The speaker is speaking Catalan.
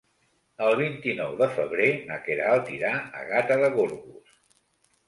El vint-i-nou de febrer na Queralt irà a Gata de Gorgos.